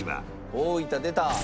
大分出た！